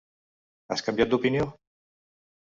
Has canviat d'opinió?